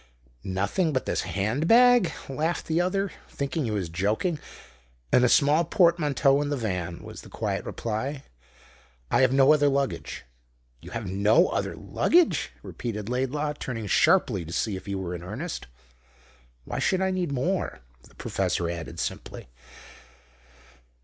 "Nothing but this hand bag?" laughed the other, thinking he was joking. "And a small portmanteau in the van," was the quiet reply. "I have no other luggage." "You have no other luggage?" repeated Laidlaw, turning sharply to see if he were in earnest. "Why should I need more?" the professor added simply.